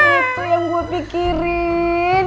itu yang gua pikirin